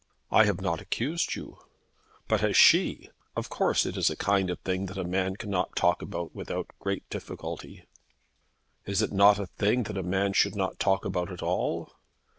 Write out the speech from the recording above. "I have not accused you." "But has she? Of course it is a kind of thing that a man cannot talk about without great difficulty." "Is it not a thing that a man should not talk about at all?"